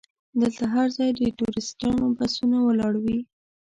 دلته هر ځای د ټوریستانو بسونه ولاړ وي.